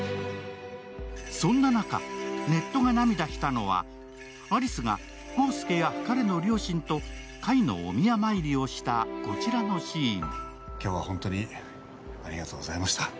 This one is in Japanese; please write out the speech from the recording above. そんな中、ネットが涙したのは有栖が康介や彼の両親と海のお宮参りをしたこちらのシーン。